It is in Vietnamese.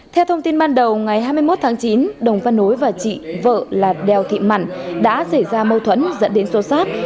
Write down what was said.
theo thông tin ban đầu ngày hai mươi một tháng chín đồng văn nối và chị vợ là đèo thị mẩn đã xảy ra mâu thuẫn dẫn đến xô xát